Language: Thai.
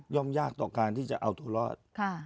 ยากต่อการที่จะเอาตัวรอด